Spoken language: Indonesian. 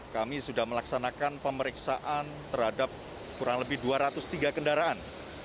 kami sudah melaksanakan pemeriksaan terhadap kurang lebih dua ratus tiga kendaraan